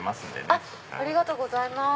ありがとうございます。